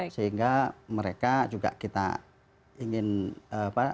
sehingga mereka juga kita ingin apa